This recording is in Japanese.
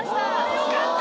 よかった！